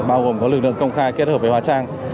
bao gồm có lực lượng công khai kết hợp với hóa trang